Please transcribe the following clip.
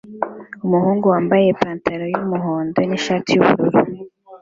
Umuhungu wambaye ipantaro yumuhondo nishati yubururu